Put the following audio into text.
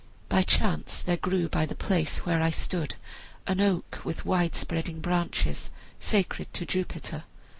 By chance there grew by the place where I stood an oak with wide spreading branches, sacred to Jupiter.